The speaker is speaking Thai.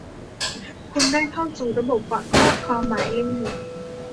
คุณได้เข้าสู่ระบบฝากข้อความของหมายเลข